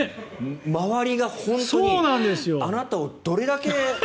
周りが本当にあなたをどれだけ。